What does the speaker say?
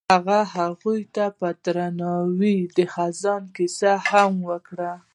هغه هغې ته په درناوي د خزان کیسه هم وکړه.